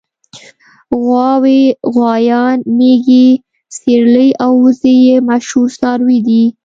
غواوې غوایان مېږې سېرلي او وزې یې مشهور څاروي دي.